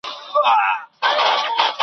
ما ویل ځوانه د ښکلا په پرتله دي عقل کم دی